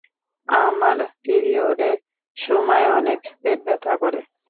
আমার পিরিয়ডের সময় অনেক পেট ব্যথা করে।